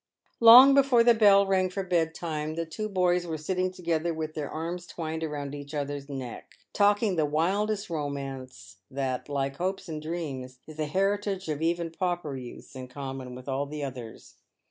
Long before the bell rang for bedtime, the two boys were sitting together with their arms twined round each other's neck, talking the wildest romance that, like hope and dreams, is the heritage of even pauper youths in common with all others.